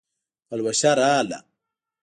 پلوشه راغله